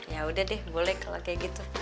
yaudah deh boleh kalau kayak gitu